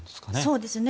そうですよね。